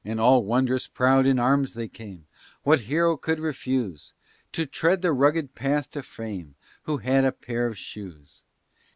All wond'rous proud in arms they came, What hero could refuse To tread the rugged path to fame, Who had a pair of shoes!